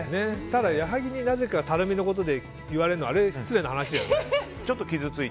ただ、矢作になぜかたるみのことを言われるの、あれは失礼な話だよね。